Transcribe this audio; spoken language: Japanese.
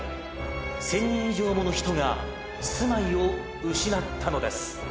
１，０００人以上もの人が住まいを失ったのです。